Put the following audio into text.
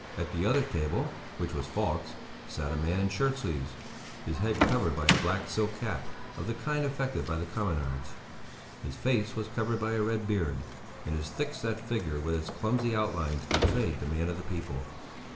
At the other table, which was Falk's, sat a man in shirt sleeves, his head covered by a black silk cap of the kind affected by the communards. His face was covered by a red beard, and his thick set figure with its clumsy outlines betrayed the man of the people.